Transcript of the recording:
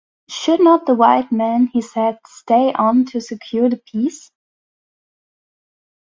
Should not the white man, he said, stay on to secure the peace?